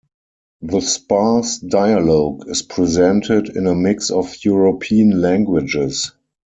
The sparse dialog is presented in a mix of European languages.